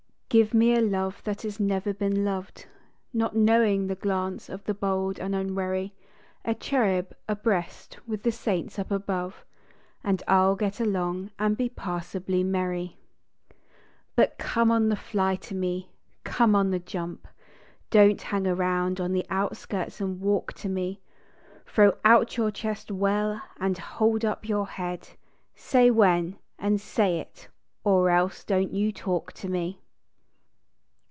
Give me a love that has never been loved, Not knowing the glance of the bold and unwarv. A cherub abreast with the saints up above, And I ll get along and be passably merry. But come on the fly to me, come on the jump, Don t hang around on the outskirts and walk to me Throw out your chest well, and hold up your head ; Say when, and say it, or else don t you talk to me.